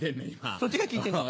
そっちが聞いてんか。